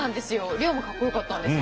龍馬かっこよかったんですよ。